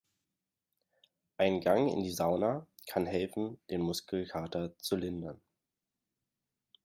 Ein Gang in die Sauna kann helfen, den Muskelkater zu lindern.